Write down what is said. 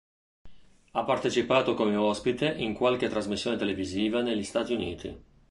Ha partecipato come ospite in qualche trasmissione televisiva negli Stati uniti.